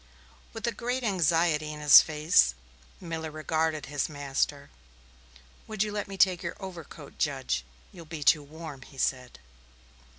With a great anxiety in his face Miller regarded his master. "Would you let me take your overcoat, Judge? you'll be too warm," he said.